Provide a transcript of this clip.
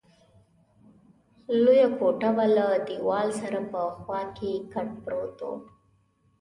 لویه کوټه وه، له دېوال سره په خوا کې کټ پروت وو.